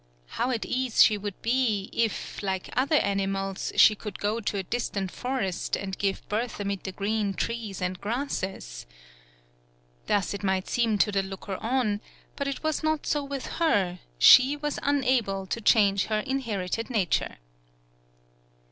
How at ease she would be if, like other animals, she could go to a distant forest and give birth amid the green trees and grasses ! Thus it might seem to the looker on, but it was not so with her, she was unable to change her inherited na ture.